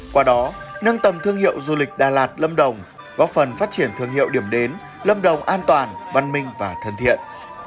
qua đó nâng tầm thương hiệu du lịch đà lạt lâm đồng góp phần phát triển thương hiệu điểm đến lâm đồng an toàn văn minh và thân thiện